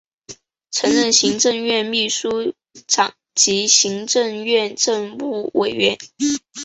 曾任行政院秘书长及行政院政务委员。